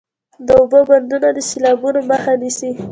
د اوبو بندونه د سیلابونو مخه نیسي